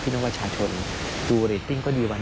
น้องประชาชนดูเรตติ้งก็ดีวัน